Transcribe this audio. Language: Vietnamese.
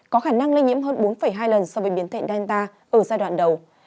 có khả năng lây nhiễm hơn bốn hai lần so với biến thể delta ở giai đoạn đầu